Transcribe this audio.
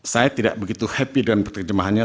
saya tidak begitu happy dengan penerjemahannya